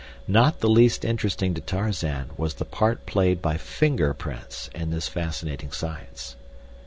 Not the least interesting to Tarzan was the part played by finger prints in this fascinating science.